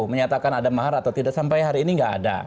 menyatakan ada mahar atau tidak sampai hari ini nggak ada